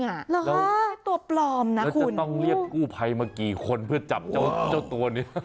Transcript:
หรอแล้วจะต้องเรียกกู้ไภมากี่คนเพื่อจับเจ้าตัวนี้คุณแล้วจะต้องเรียกกู้ไภมากี่คนเพื่อจับเจ้าตัวนี้